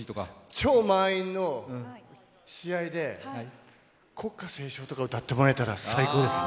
超満員の試合で、国歌斉唱とか歌ってもらえたら最高ですね。